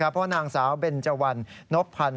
เพราะนางสาวเบนเจวันนบพันธ์